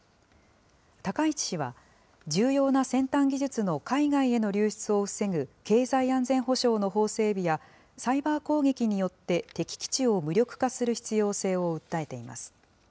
高市氏は、重要な先端技術の海外への流出を防ぐ経済安全保障の法整備や、サイバー攻撃によって敵基地を無力化する必要性を訴えています。